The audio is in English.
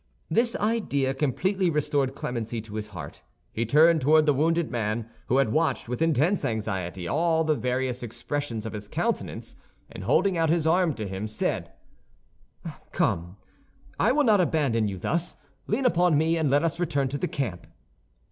This idea completely restored clemency to his heart. He turned toward the wounded man, who had watched with intense anxiety all the various expressions of his countenance, and holding out his arm to him, said, "Come, I will not abandon you thus. Lean upon me, and let us return to the camp."